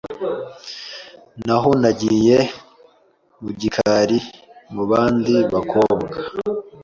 naho yagiye mu gikari mu bandi bakobwa.